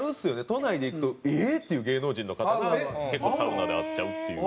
都内で行くとええー！っていう芸能人の方が結構サウナで会っちゃうっていう。